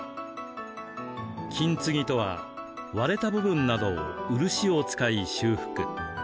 金継ぎとは割れた部分などを漆を使い修復。